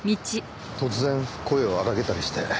突然声を荒げたりして。